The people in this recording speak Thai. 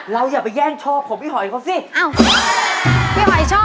เราอย่าไปแย่งโชว์ของพี่หอยก่อนสิ